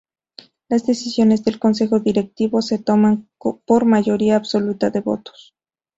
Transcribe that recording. Las decisiones del Consejo Directivo se toman por mayoría absoluta de votos.